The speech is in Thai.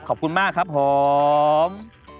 ขอบคุณมากครับผม